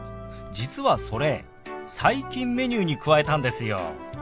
実はそれ最近メニューに加えたんですよ。